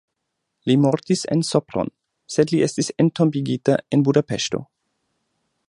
Li mortis en Sopron, sed li estis entombigita en Budapeŝto.